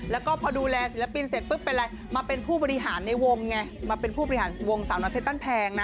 แล้วก็พอดูแลศิลปินเสร็จปุ๊บเป็นอะไรมาเป็นผู้บริหารในวงไงมาเป็นผู้บริหารวงสาวน้อยเพชรบ้านแพงนะ